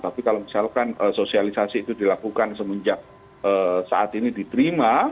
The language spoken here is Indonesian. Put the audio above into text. tapi kalau misalkan sosialisasi itu dilakukan semenjak saat ini diterima